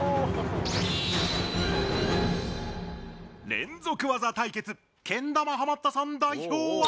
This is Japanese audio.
連続技対決けん玉ハマったさん代表は。